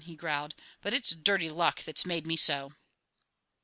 he growled. "But it's dirty luck that's made me so!"